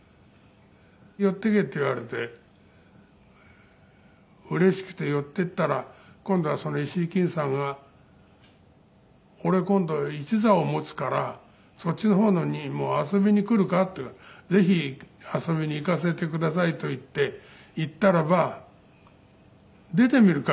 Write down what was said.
寄っていけって言われてうれしくて寄っていったら今度は石井均さんが「俺今度一座を持つからそっちの方にも遊びに来るか？」って言うから「ぜひ遊びに行かせてください」と言って行ったらば「出てみるか？